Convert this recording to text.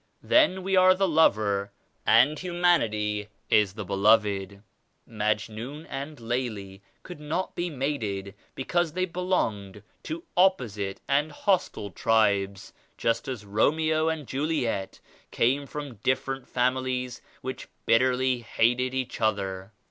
Then we are the lover and humanity is the be loved. Majnun and Laila could not be mated because they belonged to opposite and hostile tribes, just as Romeo and Juliet came from diff erent families which bitterly hated each other.